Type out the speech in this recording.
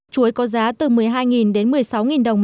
chuối có giá từ một mươi hai đến một mươi sáu đồng một kg